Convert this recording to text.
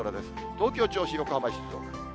東京、銚子、横浜、静岡。